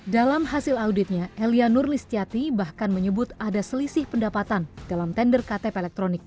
dalam hasil auditnya elia nurlistiati bahkan menyebut ada selisih pendapatan dalam tender ktp elektronik